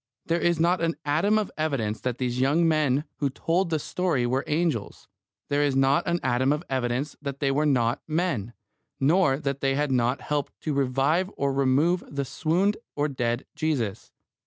There is not an atom of evidence that these young men who told the story were angels. There is not an atom of evidence that they were not men, nor that they had not helped to revive or to remove the swooned or dead Jesus.